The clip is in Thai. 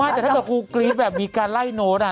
แต่ถ้าเกิดครูกรี๊ดแบบมีการไล่โน้ต